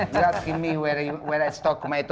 kamu tanya aku di mana aku mencari tomatku